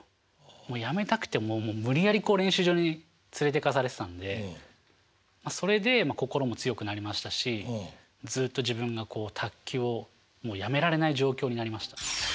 もうやめたくてももう無理やり練習場に連れていかされてたんでそれでまあ心も強くなりましたしずっと自分がこう卓球をもうやめられない状況になりました。